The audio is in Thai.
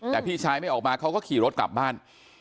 แต่พี่ชายไม่ออกมาเขาก็ขี่รถกลับบ้าน